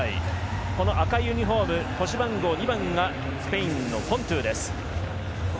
赤いユニホーム腰番号２番がスペインのフォントゥです。